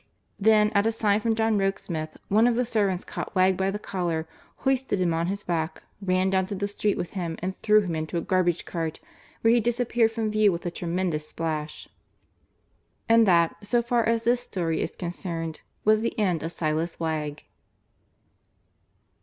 Then, at a sign from John Rokesmith, one of the servants caught Wegg by the collar, hoisted him on his back, ran down to the street with him and threw him into a garbage cart, where he disappeared from view with a tremendous splash. And that, so far as this story is concerned, was the end of Silas Wegg.